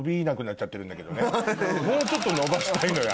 もうちょっと伸ばしたいのよ